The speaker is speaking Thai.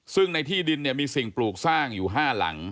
ซึ่งในที่ดินเนี่ยมีสิ่งปลูกสร้างอยู่๕หลัง